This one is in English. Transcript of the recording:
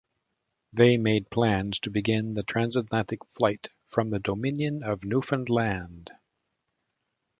They made plans to begin the transatlantic flight from the Dominion of Newfoundland.